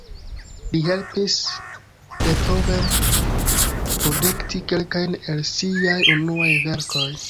Li helpis Beethoven produkti kelkajn el siaj unuaj verkoj.